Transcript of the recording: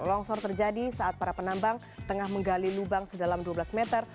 longsor terjadi saat para penambang tengah menggali lubang sedalam dua belas meter